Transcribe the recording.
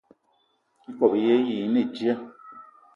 Ikob í yé í te dji.